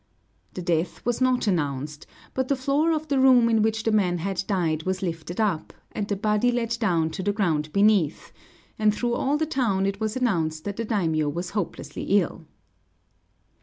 The death was not announced, but the floor of the room in which the man had died was lifted up, and the body let down to the ground beneath; and through all the town it was announced that the daimiō was hopelessly ill.